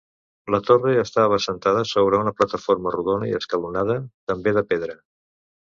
La Torre estava assentada sobre una plataforma rodona i escalonada, també de pedra.